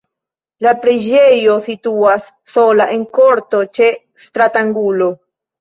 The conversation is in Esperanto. La preĝejo situas sola en korto ĉe stratangulo.